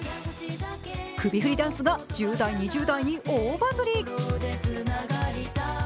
首振りダンスが１０代２０代に大バズり。